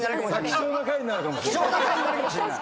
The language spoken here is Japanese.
貴重な回になるかもしれない。